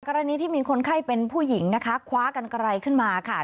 กรณีที่มีคนไข้เป็นผู้หญิงนะคะคว้ากันไกลขึ้นมาค่ะ